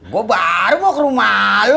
gue baru mau ke rumah